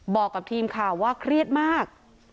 บอกกับทีมข่าวว่าเครียดมาก